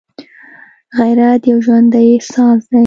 غیرت یو ژوندی احساس دی